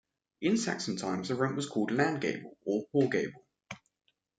In Saxon times the rent was called a "landgable" or "hawgable".